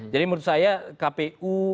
jadi menurut saya kpu kpu kpu